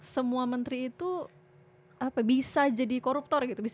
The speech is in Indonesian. semua menteri itu bisa jadi koruptor gitu